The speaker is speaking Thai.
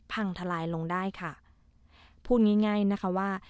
พังทลายลงได้ค่ะพูดง่ายง่ายนะคะว่า